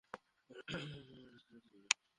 এখানে কোন সমস্যা হলে অটো করে ছেলেদের নিয়ে আসিস।